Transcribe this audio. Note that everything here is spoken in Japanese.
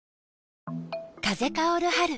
風薫る春。